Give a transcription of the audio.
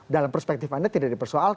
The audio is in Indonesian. dalam perspektif anda tidak dipersoalkan